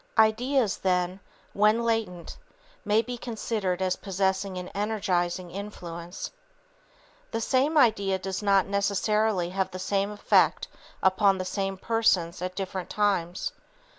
Ideas, then, when latent, may be considered as possessing an energizing influence. The same idea does not necessarily have the same effect upon the same persons at different times.